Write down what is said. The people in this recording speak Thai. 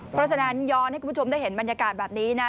เพราะฉะนั้นย้อนให้คุณผู้ชมได้เห็นบรรยากาศแบบนี้นะ